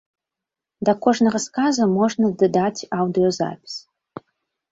Да кожнага сказа можна дадаць аўдыёзапіс.